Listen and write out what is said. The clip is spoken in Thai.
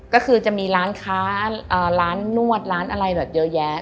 ก็คือจะมีร้านค้าร้านนวดร้านอะไรแบบเยอะแยะ